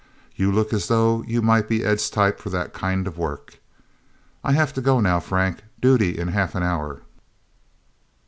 You look as though you might be Ed's type for that kind of work... I'll have to go, now, Frank. Duty in half an hour..."